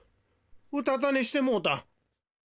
うたたねしてもうた。